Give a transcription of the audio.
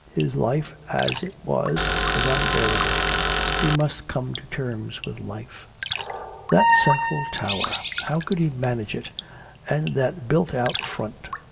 His life as it was, was unbearable... he must come to terms with life.... That central tower! how could he manage it and that built out front?